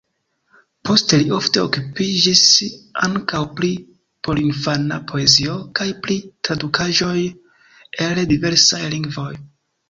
Poste li ofte okupiĝis ankaŭ pri porinfana poezio kaj pri tradukaĵoj el diversaj lingvoj.